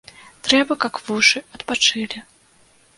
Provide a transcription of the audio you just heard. Трэба, каб вушы адпачылі!